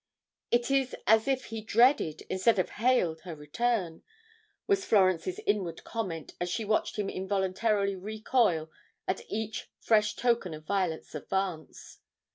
"It is as if he dreaded, instead of hailed, her return," was Florence's inward comment as she watched him involuntarily recoil at each fresh token of Violet's advance.